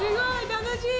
楽しい！